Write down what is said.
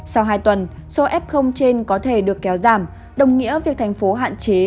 sau hai tuần số f trên có thể được kéo giảm đồng nghĩa việc thành phố hạn chế